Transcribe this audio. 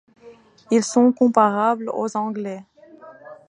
Ils sont comparables aux anglais.